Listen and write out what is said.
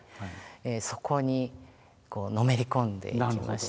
そこにのめり込んでいきましたね。